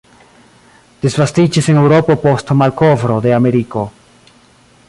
Disvastiĝis en Eŭropo post malkovro de Ameriko.